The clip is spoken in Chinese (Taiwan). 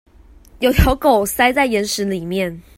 有條狗塞在岩石裡面